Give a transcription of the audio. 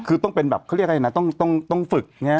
คือต้องเป็นแบบเขาเรียกอะไรนะต้องฝึก